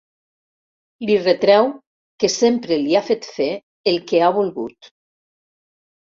Li retreu que sempre li ha fet fer el que ha volgut.